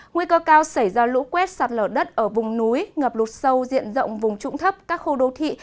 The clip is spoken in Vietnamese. nguy cơ cao xảy ra lũ quét sạt lở đất ở vùng núi ngập lụt sâu diện rộng vùng trụng thấp các khu đô thị